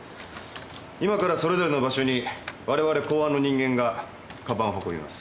今からそれぞれの場所に我々公安の人間が鞄を運びます。